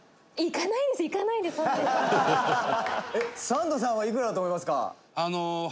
「サンドさんはいくらだと思いますか？」